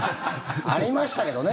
ありましたけどね。